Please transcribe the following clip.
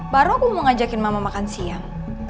baru aku mau ngajakin mama makan siang